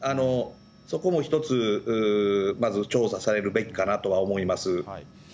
そこも一つまず調査されるべきかなとは思います。